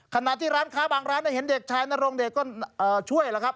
ขณะที่ร้านค้าบางร้านได้เห็นเด็กชายนรงเดชก็ช่วยแล้วครับ